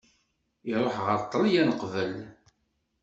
Iruḥ ɣer Ṭṭelyan uqbel.